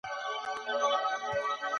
راتلونکی نسل به زمونږ قضاوت وکړي.